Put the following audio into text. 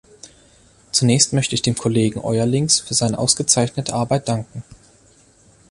Zunächst möchte ich dem Kollegen Eurlings für seine ausgezeichnete Arbeit danken.